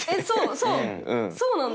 そうそう。